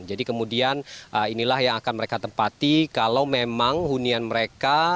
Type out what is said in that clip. jadi kemudian inilah yang akan mereka tempati kalau memang hunian mereka